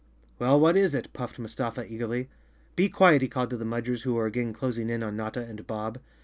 "^Vell, what is it?" puffed Mustafa eagerly. "Be quiet!" he called to the Mudgers who were again clos¬ ing in on Notta and Bob.